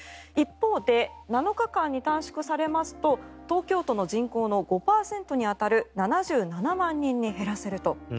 一方で７日間に短縮されますと東京都の人口の５％に当たる７７万人に減らせると。